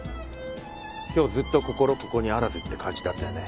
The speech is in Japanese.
今日ずっと心ここにあらずって感じだったよね。